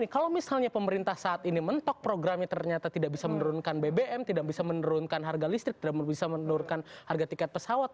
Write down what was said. kalau misalnya pemerintah saat ini mentok programnya ternyata tidak bisa menurunkan bbm tidak bisa menurunkan harga listrik tidak bisa menurunkan harga tiket pesawat